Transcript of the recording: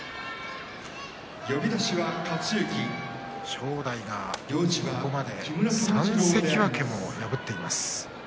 正代がここまで３関脇を破っています。